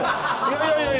いやいやいや